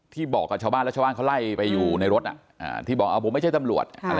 บอกกับชาวบ้านแล้วชาวบ้านเขาไล่ไปอยู่ในรถที่บอกผมไม่ใช่ตำรวจ